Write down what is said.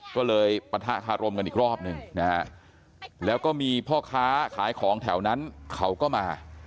ก็เลยปะทะคารมกันอีกรอบหนึ่งนะฮะแล้วก็มีพ่อค้าขายของแถวนั้นเขาก็มา